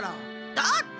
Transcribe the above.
だって。